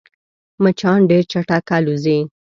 مچان ډېر چټک الوزي